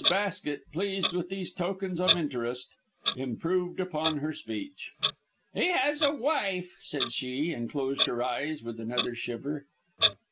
Basket, pleased with these tokens of interest, improved upon her speech. "He has a wife!" said she, and closed her eyes with another shiver.